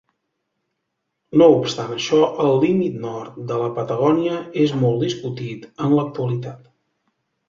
No obstant això, el límit nord de la Patagònia és molt discutit en l'actualitat.